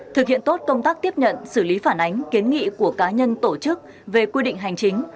thực hiện tốt công tác tiếp nhận xử lý phản ánh kiến nghị của cá nhân tổ chức về quy định hành chính